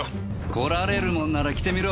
来られるもんなら来てみろ。